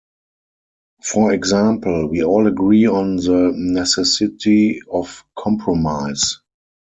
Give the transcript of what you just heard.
For example: We all agree on the necessity of compromise.